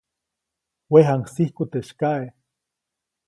Wejaŋsiku teʼ sykaʼe.